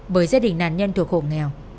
bởi gia đình nàn nhân thuộc hồ nghèo